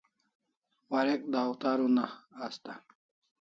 Warek dawtar una asta